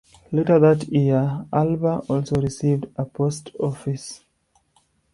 Later that year, Alba also received a post office.